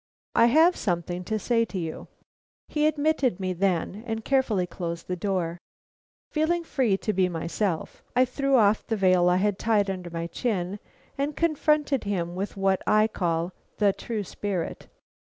I have something to say to you." He admitted me then and carefully closed the door. Feeling free to be myself, I threw off the veil I had tied under my chin and confronted him with what I call the true spirit.